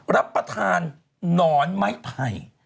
รับประทานหนอนไม้ไผ่